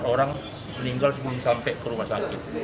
empat orang meninggal sebelum sampai ke rumah sakit